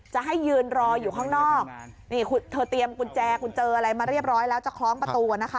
จะให้ยืนรออยู่ข้างนอกนี่เธอเตรียมกุญแจคุณเจออะไรมาเรียบร้อยแล้วจะคล้องประตูนะคะ